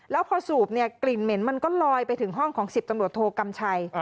แล้วพอสูบเนี่ยกลิ่นเหม็นมันก็ลอยไปถึงห้องของ๑๐ตำรวจโทกำชัย